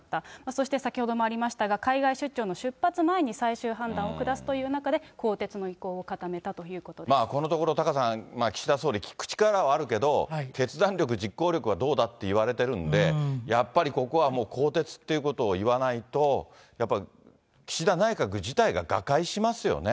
そして先ほどもありましたが、海外出張の出発前に最終判断を下すという中で、更迭の意向を固めこのところ、タカさん、岸田総理、聞く力はあるけども、決断力、実行力はどうだって言われてるんで、やっぱりここはもう更迭っていうことを言わないと、岸田内閣自体が瓦解しますよね。